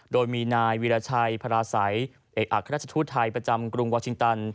โดยมีนายวีรชัยพระราศัยเอกอัครราชทูตไทยประจำกรุงวาชิงตัน